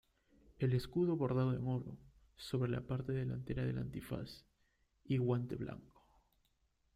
El escudo bordado en oro, sobre la parte delantera del antifaz, y guante blanco.